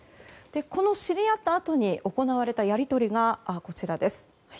この知り合ったあとに行われたやり取りがこちらです。